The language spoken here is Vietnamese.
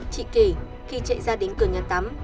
chị kể khi chạy ra đến cửa nhà tắm